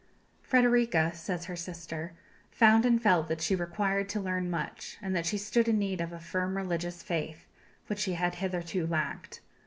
"Frederika," says her sister, "found and felt that she required to learn much, and that she stood in need of a firm religious faith, which she had hitherto lacked.